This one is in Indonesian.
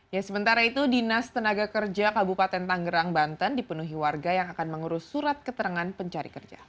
ya sementara itu dinas tenaga kerja kabupaten tanggerang banten dipenuhi warga yang akan mengurus surat keterangan pencari kerja